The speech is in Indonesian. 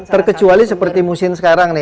terkecuali seperti musim sekarang nih